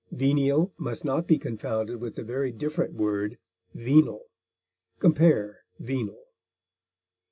Venial must not be confounded with the very different word VENAL. Compare VENAL.